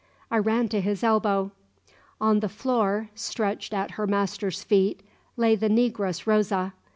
I ran to his elbow. On the floor, stretched at her master's feet, lay the negress Rosa.